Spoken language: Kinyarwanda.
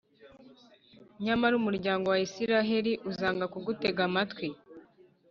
nyamara umuryango wa Israheli uzanga kugutega amatwi